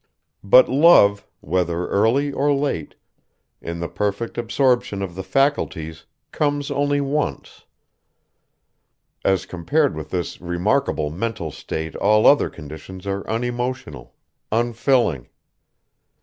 But love, whether early or late, in the perfect absorption of the faculties comes only once; as compared with this remarkable mental state all other conditions are unemotional, unfilling.